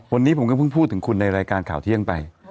วันนี้ผมก็เพิ่งพูดถึงคุณในรายการข่าวเที่ยงไป